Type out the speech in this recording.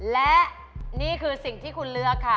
และนี่คือสิ่งที่คุณเลือกค่ะ